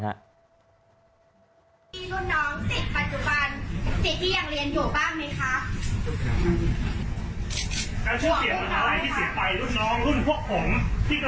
จะโปรคันเลยอย่างงี้ครับผมคุณโกหกสิมั้ยครับ